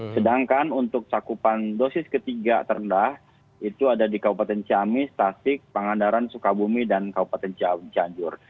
sedangkan untuk cakupan dosis ketiga terendah itu ada di kabupaten ciamis tasik pangandaran sukabumi dan kabupaten cianjur